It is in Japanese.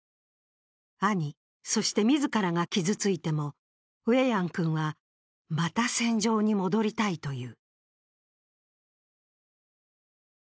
兄、そして自らが傷ついてもウェヤン君は、また戦場に戻りたいと言う。